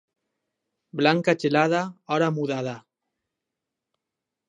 Blanca gelada, hora mudada.